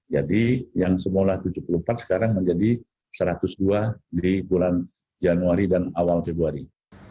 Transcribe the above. jadi yang semula tujuh puluh empat sekarang menjadi satu ratus dua di bulan januari dan awal februari